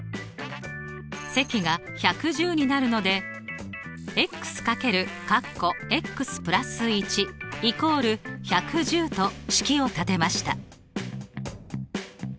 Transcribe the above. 積が１１０になるのでと式を立てました。